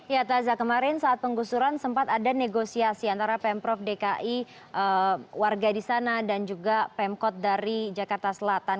ya taza kemarin saat penggusuran sempat ada negosiasi antara pemprov dki warga di sana dan juga pemkot dari jakarta selatan